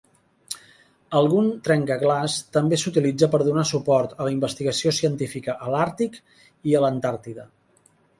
Algun trencaglaç també s'utilitza per donar suport a la investigació científica a l'Àrtic i a l'Antàrtida.